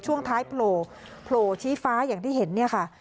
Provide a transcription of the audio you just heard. ช่วงท้ายโผล่โผล่ชี้ฟ้าอย่างที่เห็นเนี่ยค่ะ